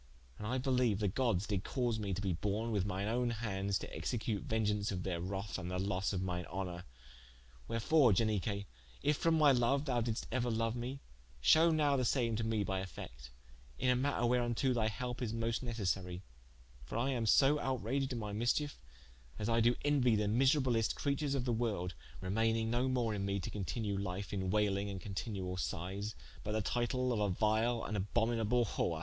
And I beliue the gods did cause me to be borne with mine owne hands to execute vengeaunce of their wrath and the losse of mine honour. Wherefore, Ianique, if from my youth thou diddest euer loue me, shew now the same to me by effect, in a matter whereunto thy helpe is moste necessary: for I am so outraged in my mischiefe, as I do enuie the miserablest creatures of the world, remayning no more in me to continue life in wailing and continuall sighes, but the title of a vile and abhominable whore.